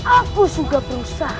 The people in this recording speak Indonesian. aku sudah berusaha